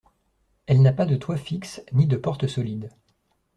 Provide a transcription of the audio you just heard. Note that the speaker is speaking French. Elle n'a pas de toit fixe ni de portes solides.